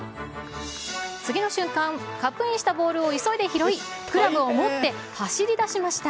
次の瞬間、カップインしたボールを急いで拾い、クラブを持って走りだしました。